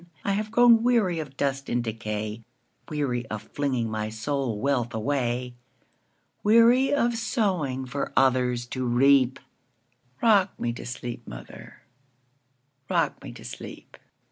I have grown weary of dust and decay,—Weary of flinging my soul wealth away; Weary of sowing for others to reap;—Rock me to sleep, mother,—rock me to sleep!